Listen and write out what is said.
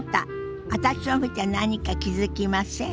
私を見て何か気付きません？